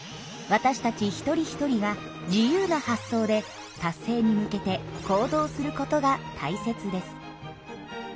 私たち一人一人が自由な発想で達成に向けて行動することがたいせつです。